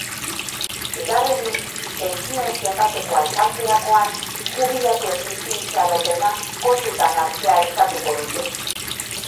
Bigarrenik, pentsioen zenbatekoa ezartzerakoan jubilatuen bizi-itxaropena kontuan hartzea eskatuko dute.